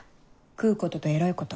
食うこととエロいこと。